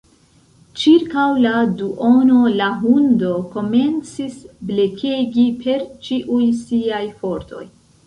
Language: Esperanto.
Ĉirkaŭ la duono, la hundo komencis blekegi per ĉiuj siaj fortoj.